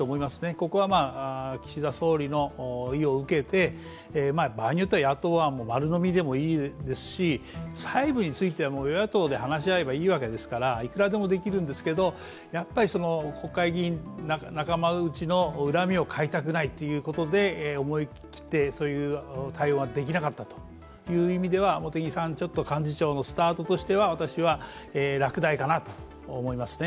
ここは岸田総理の意を受けて場合によっては野党案も丸のみでもいいですし細部については与野党で話し合えばいいわけですからいくらでもできるんですけど、やっぱり国会議員、仲間うちの恨みを買いたくないと思い切ってそういう対応ができなかったという意味では茂木さん、幹事長のスタートとしては落第かなと思いますね。